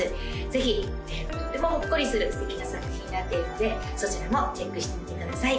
ぜひとてもほっこりする素敵な作品になっているのでそちらもチェックしてみてください